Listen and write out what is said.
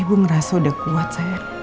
ibu ngerasa udah kuat saya